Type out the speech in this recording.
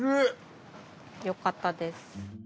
よかったです。